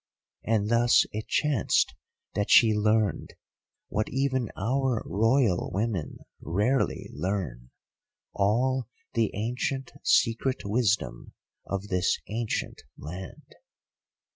And thus it chanced that she learned, what even our Royal women rarely learn, all the ancient secret wisdom of this ancient land.